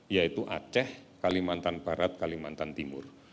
yaitu aceh kalimantan barat kalimantan timur